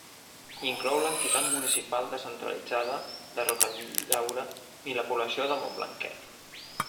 Inclou l'entitat municipal descentralitzada de Rocallaura i la població de Montblanquet.